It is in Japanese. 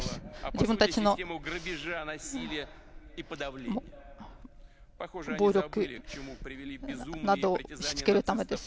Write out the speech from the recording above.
自分たちの暴力などを押しつけるためです。